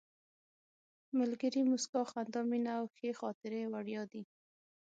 ملګري، موسکا، خندا، مینه او ښې خاطرې وړیا دي.